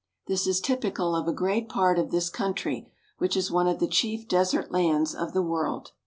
This is typical of a great part of this country, which is one of the chief desert lands of the world.